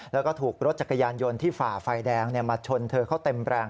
แล้วก็ถูกรถจักรยานยนต์ที่ฝ่าไฟแดงมาชนเธอเขาเต็มแรง